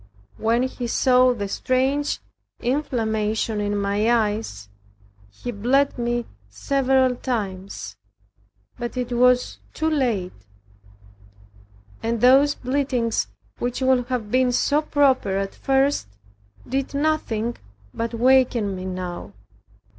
When he saw the strange inflammation in my eyes, he bled me several times; but it was too late. And those bleedings which would have been so proper at first, did nothing but weaken me now.